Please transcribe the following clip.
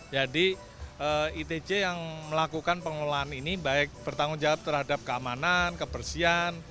jadi itj yang melakukan pengelolaan ini baik bertanggung jawab terhadap keamanan kebersihan